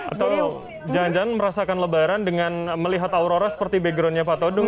atau jangan jangan merasakan lebaran dengan melihat aurora seperti backgroundnya pak todung